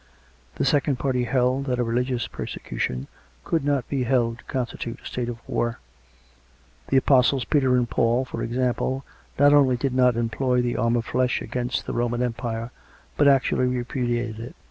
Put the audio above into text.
The second party held that a religious persecu tion could not be held to constitute a state of war; the Apostles Peter and Paul, for example, not only did not employ the arm of flesh against the Roman Empire, but actually repudiated it.